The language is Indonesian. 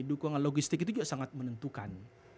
dukungan logistik itu juga sangat menentukan